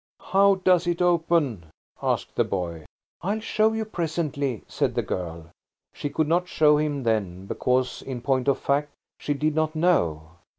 "How does it open?" asked the boy. "I'll show you presently," said the girl. She could not show him then, because, in point of fact, she did not know.